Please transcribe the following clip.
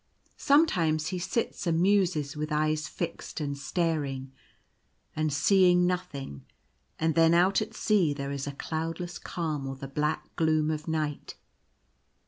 Sometimes he sits and muses with eyes fixed and staring, and seeing nothing ; and then out at sea there is a cloudless calm or the black gloom of night.